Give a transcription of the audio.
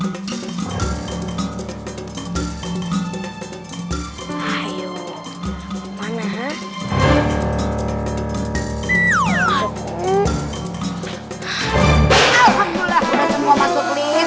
udah semua masuk list